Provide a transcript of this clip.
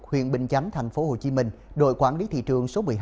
huyện bình chánh tp hcm đội quản lý thị trường số một mươi hai